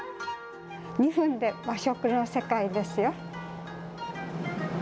２分で和食の世界ですよ。